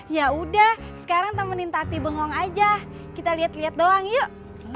ya udah sekarang temenin tati bengong aja kita lihat lihat doang yuk